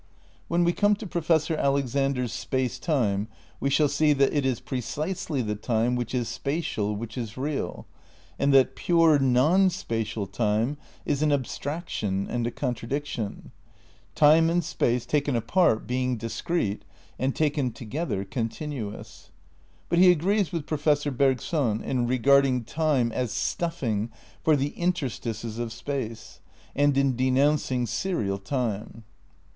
When we come to Professor Alexander's Space Time we shall see that it is precisely the time which is spa tial which is real, and that pure, non spatial time is an abstraction and a contradiction; time and space taken apart being discrete, and taken together continuous. But he agrees with Professor Bergson in regarding time as stuffing for the interstices of space, and in de nouncing serial time.